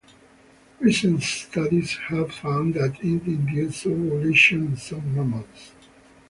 Recent studies have found that it induces ovulation in some mammals.